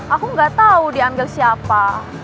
aku gak tau diambil siapa